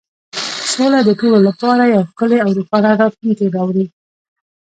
سوله د ټولو لپاره یو ښکلی او روښانه راتلونکی راوړي.